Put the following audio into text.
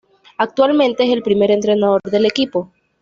Actualmente es el primer entrenador del equipo.